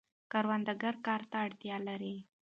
کروندګر کار ته اړتیا لري.